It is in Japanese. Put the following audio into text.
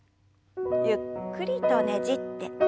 ゆっくりとねじって。